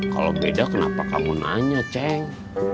kalau beda kenapa kamu nanya ceng